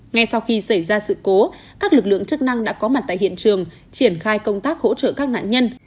ngay sau khi xảy ra sự cố các lực lượng chức năng đã có mặt tại hiện trường triển khai công tác hỗ trợ các nạn nhân